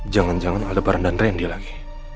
jangan jangan ada baran dan rendah lagi